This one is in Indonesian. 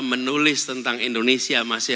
menulis tentang indonesia masih